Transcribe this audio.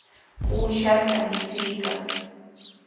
Uushanta michiykan.